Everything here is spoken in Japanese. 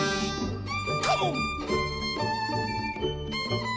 カモン！